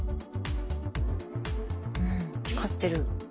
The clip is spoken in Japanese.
うん光ってる。